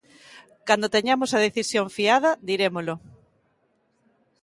Cando teñamos a decisión fiada, dirémolo.